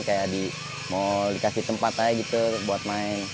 kayak mau dikasih tempat aja gitu buat main